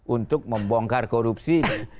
untuk membongkar korupsi